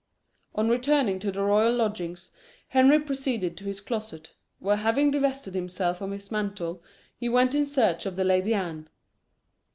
On returning to the royal lodgings, Henry proceeded to his closet, where having divested himself of his mantle, he went in search of the Lady Anne.